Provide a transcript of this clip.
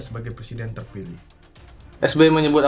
saya berterima kasih kepada anda